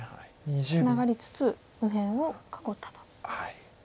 ツナがりつつ右辺を囲ったと。